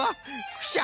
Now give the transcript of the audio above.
クシャ。